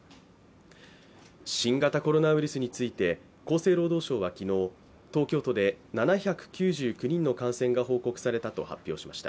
新型コロナウイルスについて厚生労働省は昨日、東京都で７９９人の感染が報告されたと発表しました。